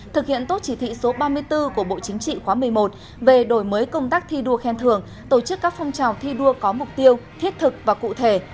thực hiện tốt chỉ thị số ba mươi bốn của bộ chính trị khóa một mươi một về đổi mới công tác thi đua khen thưởng tổ chức các phong trào thi đua có mục tiêu thiết thực và cụ thể